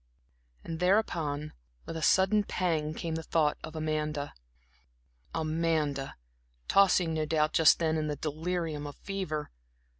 And thereupon with a sudden pang, came the thought of Amanda Amanda, tossing no doubt just then in the delirium of fever.